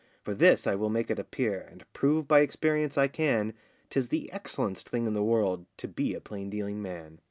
For this I will make it appear, And prove by experience I can, 'Tis the excellen'st thing in the world To be a plain dealing man.